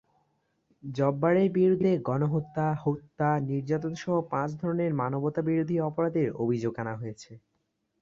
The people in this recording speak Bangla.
জব্বারের বিরুদ্ধে গণহত্যা, হত্যা, নির্যাতনসহ পাঁচ ধরনের মানবতাবিরোধী অপরাধের অভিযোগ আনা হয়েছে।